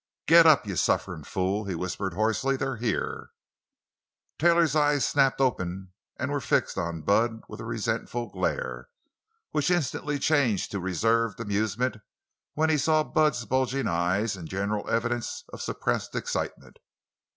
"Git up, you sufferin' fool!" he whispered hoarsely; "they're here!" Taylor's eyes snapped open and were fixed on Bud with a resentful glare, which instantly changed to reserved amusement when he saw Bud's bulging eyes and general evidence of suppressed excitement.